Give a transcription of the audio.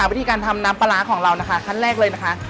วิธีการทำน้ำปลาร้าของเรานะคะขั้นแรกเลยนะคะ